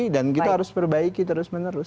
dan kita harus perbaiki terus menerus